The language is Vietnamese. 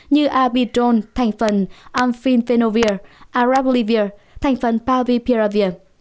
như abidol thành phần amphiphenovir arablivir thành phần pavipiravir